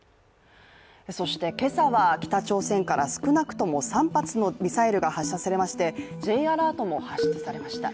そして今朝は北朝鮮から少なくとも３発のミサイルが発射されまして、Ｊアラートも発出されました。